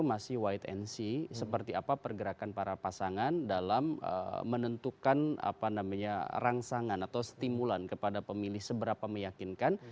jadi kalau kita lihat di ytnc seperti apa pergerakan para pasangan dalam menentukan rangsangan atau stimulan kepada pemilih seberapa meyakinkan